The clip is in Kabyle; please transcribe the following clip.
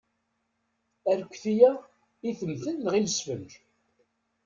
Arekti-a, i temtunt neɣ i lesfenǧ?